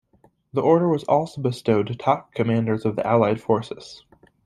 The order was also bestowed to top commanders of the Allied forces.